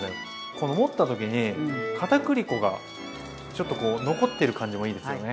この持った時にかたくり粉がちょっとこう残ってる感じもいいですよね。